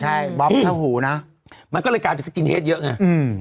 ใช่บ๊อบเข้าหูนะมันก็เลยกลายเป็นสกินเฮดเยอะไงอืม